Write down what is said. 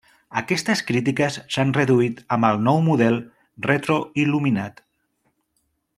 Aquestes crítiques s'han reduït amb el nou model retroil·luminat.